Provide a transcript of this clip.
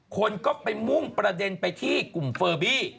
คนก็ไปมุ่งประเด็นไปที่กลุ่มเฟอร์บี้